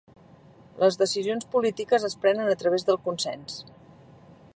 Les decisions polítiques es prenen a través del consens.